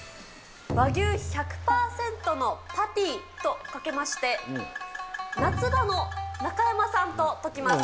和牛１００％のパティとかけまして、夏場の中山さんと解きます。